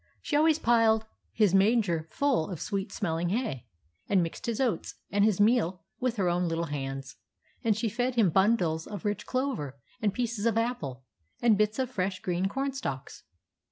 She always piled his manger full of sweet smelling hay, and mixed his oats and his meal with her own little hands; and she fed him bundles of rich clover, and pieces of apple, and bits of fresh green cornstalks.